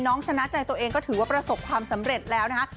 ชนะใจตัวเองก็ถือว่าประสบความสำเร็จแล้วนะคะ